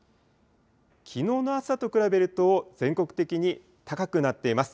きのうの朝と比べると全国的に高くなっています。